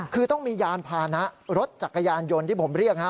คือต้องมียานพานะรถจักรยานยนต์ที่ผมเรียกฮะ